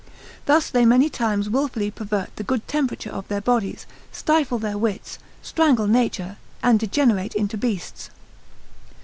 Thus they many times wilfully pervert the good temperature of their bodies, stifle their wits, strangle nature, and degenerate into beasts.